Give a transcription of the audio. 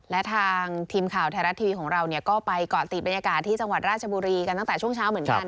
และทางทีมข่าวไทยรัฐทีวีของเราก็ไปเกาะติดบรรยากาศที่จังหวัดราชบุรีกันตั้งแต่ช่วงเช้าเหมือนกัน